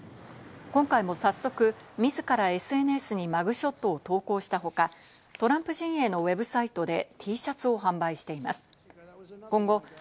今回も早速、自らＳＮＳにマグショットを投稿した他、トランプ陣営のウェブサイトでＴシャツを販売しています。